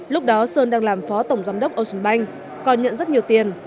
lúc đó sơn đang làm phó tổng giám đốc ocean bank còn nhận rất nhiều tiền